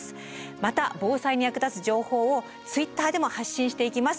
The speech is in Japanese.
また防災に役立つ情報をＴｗｉｔｔｅｒでも発信していきます。